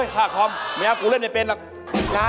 ค่าคอมไม่อยากกูเล่นเป็นหรอก